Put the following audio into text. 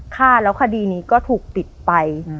ฆ่าแล้วคดีนี้ก็ถูกปิดไป